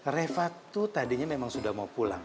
reva itu tadinya memang sudah mau pulang